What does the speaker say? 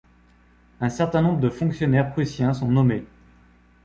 Un certain nombre de fonctionnaires prussiens sont nommés.